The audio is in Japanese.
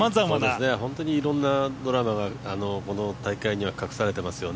本当にいろんなドラマがこの大会には隠されてますよね。